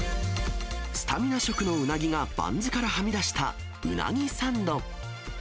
スタミナ食のうなぎがバンズからはみ出した、うなぎサンド。